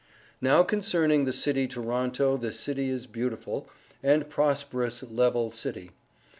Now concerning the city toronto this city is Beautiful and Prosperous Levele city.